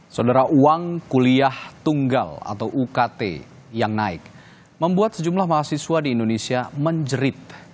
saudara uang kuliah tunggal atau ukt yang naik membuat sejumlah mahasiswa di indonesia menjerit